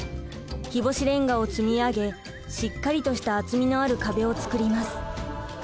日干しレンガを積み上げしっかりとした厚みのある壁を作ります。